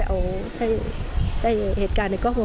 สวัสดีครับ